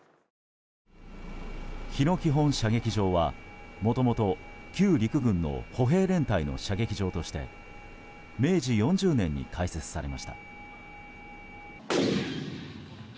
日野基本射撃場はもともと旧陸軍の歩兵連隊の射撃場として明治４０年に開設されました。